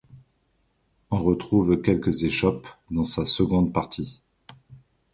On retrouve quelques échoppes dans sa seconde partie.